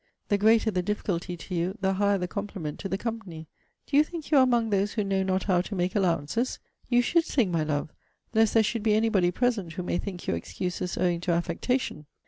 The greater the difficulty to you, the higher the compliment to the company. Do you think you are among those who know not how to make allowances? you should sing, my love, lest there should be any body present who may think your excuses owing to affectation.'